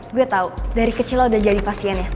gue tau dari kecil lo udah jadi pasiennya